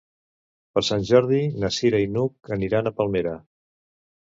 Per Sant Jordi na Cira i n'Hug aniran a Palmera.